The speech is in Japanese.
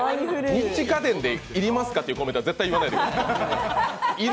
ニッチ家電で「いりますか」ってコメントは絶対言わないでください。